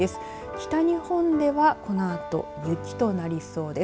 北日本ではこのあと雪となりそうです。